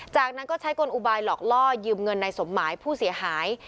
จากนั้นก็ใช้กลอุบายหลอกล่อยืมเงินในสมหมายผู้เสียหาย